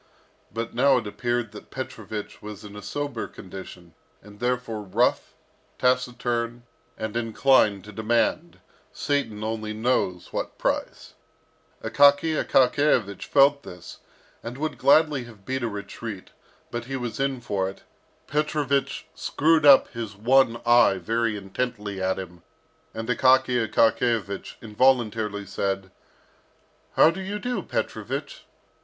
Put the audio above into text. But now it appeared that Petrovich was in a sober condition, and therefore rough, taciturn, and inclined to demand, Satan only knows what price. Akaky Akakiyevich felt this, and would gladly have beat a retreat, but he was in for it. Petrovich screwed up his one eye very intently at him, and Akaky Akakiyevich involuntarily said, "How do you do, Petrovich?"